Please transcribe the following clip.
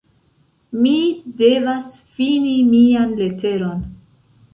Mi devas ﬁni mian leteron.